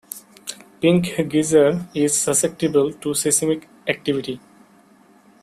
Pink Geyser is susceptible to seismic activity.